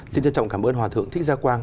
xin trân trọng cảm ơn hòa thượng thích gia quang